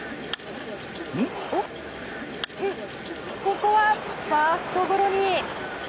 ここはファーストゴロに。